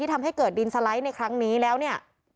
ทำให้เกิดดินสไลด์ในครั้งนี้แล้วเนี่ย